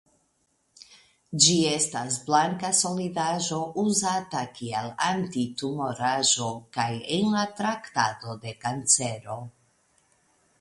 Ĝi estas blanka solidaĵo uzata kiel antitumoraĵo kaj en la traktado de kancero.